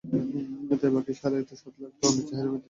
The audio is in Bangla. তাই বাকি সাড়ে সাত লাখ টনের চাহিদা মেটাতে ভরসা ভারতীয় পেঁয়াজ।